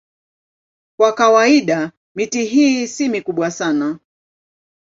Kwa kawaida miti hii si mikubwa sana.